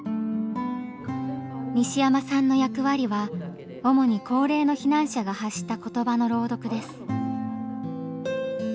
西山さんの役割は主に高齢の避難者が発した言葉の朗読です。